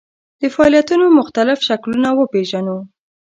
د فعالیتونو مختلف شکلونه وپېژنو.